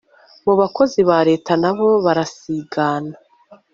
mubakozi ba reta nabo barasigana